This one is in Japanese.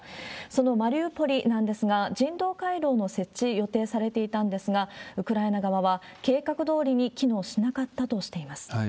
そのマリウポリなんですが、人道回廊の設置、予定されていたんですが、ウクライナ側は計画どおりに機能しなかったとしています。